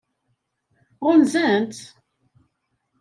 Ɣunzan-tt?